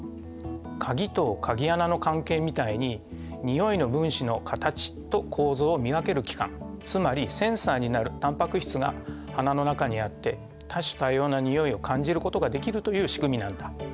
鍵と鍵穴の関係みたいににおいの分子の形と構造を見分ける器官つまりセンサーになるたんぱく質が鼻の中にあって多種多様なにおいを感じることができるというしくみなんだ。